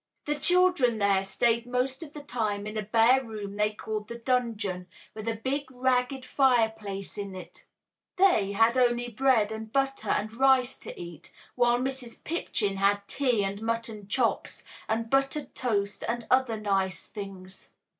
The children there stayed most of the time in a bare room they called "the dungeon," with a big ragged fireplace in it. They, had only bread and butter and rice to eat, while Mrs. Pipchin had tea and mutton chops and buttered toast and other nice things.